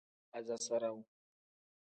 Asasarawu.